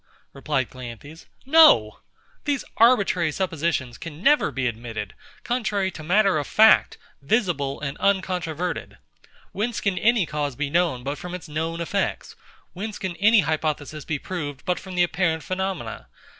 replied CLEANTHES, No! These arbitrary suppositions can never be admitted, contrary to matter of fact, visible and uncontroverted. Whence can any cause be known but from its known effects? Whence can any hypothesis be proved but from the apparent phenomena?